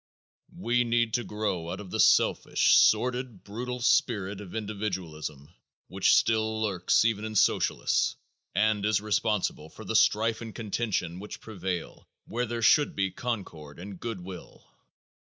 We need to grow out of the selfish, sordid, brutal spirit of individualism which still lurks even in Socialists and is responsible for the strife and contention which prevail where there should be concord and good will.